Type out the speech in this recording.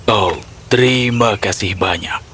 oh terima kasih banyak